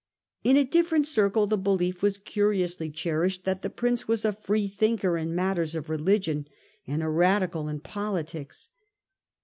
In a different circle the belief was curiously cherished that the Prince was a free thinker in matters of religion and a radical in politics.